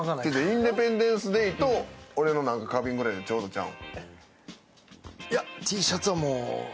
「インディペンデンス・デイ」と俺の花瓶でちょうどやん？